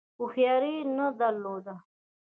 هوښیاري نه درلوده.